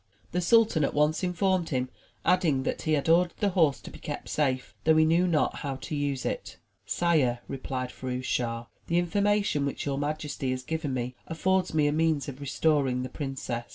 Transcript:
The sultan at once informed him; adding that he had ordered the horse to be kept safe, though he knew not how to use it. "Sire," replied Firouz Schah, the information which your majesty has given me, affords me a means of restoring the princess.